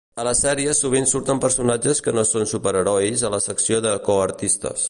A la sèrie sovint surten personatges que no són superherois a la secció de co-artistes.